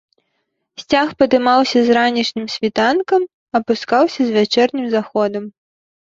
Сцяг падымаўся з ранішнім світанкам, апускаўся з вячэрнім заходам.